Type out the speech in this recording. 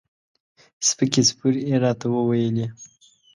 سپکې سپورې یې راته وویلې.